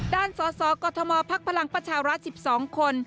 ด้านส่อกมพพร๑๒คน